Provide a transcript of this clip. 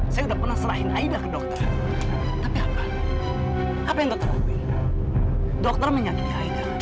saya udah pernah serahin aida ke dokter tapi apa apa yang dokter akui dokter menyakiti aida